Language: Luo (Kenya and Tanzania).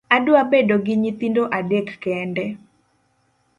Adwa bedo gi nyithindo adek kende.